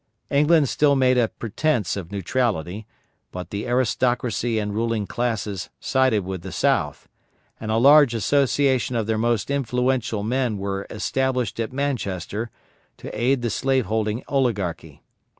England still made a pretence of neutrality, but the aristocracy and ruling classes sided with the South, and a large association of their most influential men was established at Manchester to aid the slaveholding oligarchy.